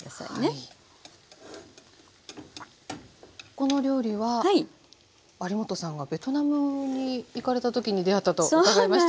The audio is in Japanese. この料理は有元さんがベトナムに行かれた時に出合ったと伺いましたけれども。